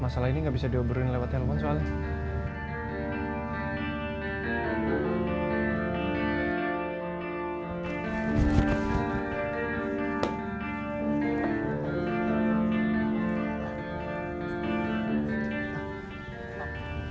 masalah ini nggak bisa diobrolin lewat telepon soalnya